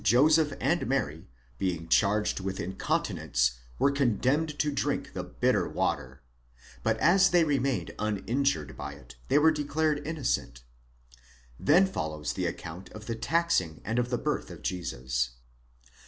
I2I Joseph and Mary being charged with incontinence were condemned to drink the "bitter water," 5. ὕδωρ τῆς ἐλέγξεως, but as they remained uninjured by it, they were declared innocent. Then follows the account of the taxing and of the birth of Jesus.